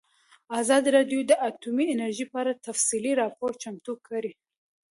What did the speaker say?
ازادي راډیو د اټومي انرژي په اړه تفصیلي راپور چمتو کړی.